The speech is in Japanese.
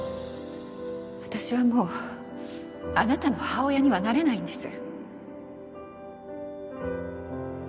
私はもうあなたの母親にはなれないんです